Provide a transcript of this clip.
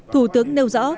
thủ tướng nêu rõ